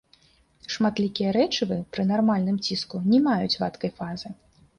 Шматлікія рэчывы пры нармальным ціску не маюць вадкай фазы.